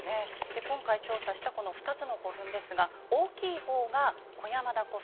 で今回調査したこの２つの古墳ですが大きい方が小山田古墳。